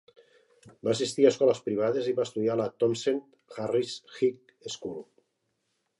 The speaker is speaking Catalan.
Va assistir a escoles privades i va estudiar a la Townsend Harris High School.